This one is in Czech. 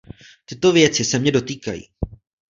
Tyto věci se mě dotýkají.